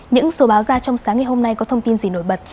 những số báo ra trong sáng ngày hôm nay có thông tin gì nổi bật